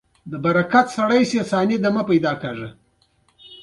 ځکه چې د درخانۍ کويژدن